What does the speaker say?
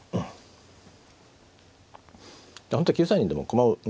本当は９三にでも駒をね